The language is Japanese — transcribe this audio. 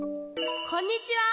こんにちは。